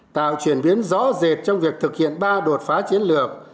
tạo chuyển biến rõ rệt trong việc thực hiện ba đột phá chiến lược